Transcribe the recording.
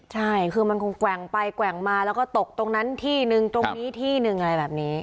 ใช่คือมันคงแกว่งไปแกว่งมาแล้วก็ตกตรงนั้นที่นึงตรงนี้ที่หนึ่งอะไรแบบนี้